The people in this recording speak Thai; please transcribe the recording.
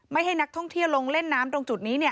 ให้นักท่องเที่ยวลงเล่นน้ำตรงจุดนี้